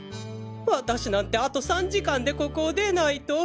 私なんてあと３時間でここを出ないと。